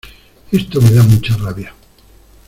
Esto me da mucha rabia.